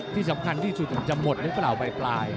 ที่สำคัญที่สุดจะหมดหรือเปล่าบ่าย